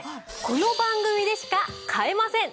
この番組でしか買えません！